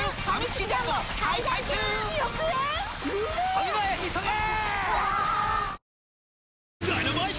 ファミマへ急げ！！